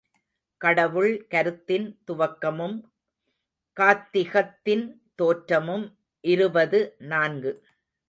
கடவுள் கருத்தின் துவக்கமும் காத்திகத்தின் தோற்றமும் இருபது நான்கு.